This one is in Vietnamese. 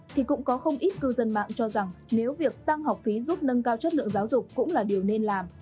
thì cũng có không ít cư dân mạng cho rằng nếu việc tăng học phí giúp nâng cao chất lượng giáo dục cũng là điều nên làm